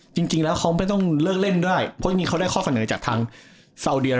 จริงแล้วเขาไม่ต้องเลือกเล่นด้วยเพราะจริงเขาได้ข้อสำหรับประของทาง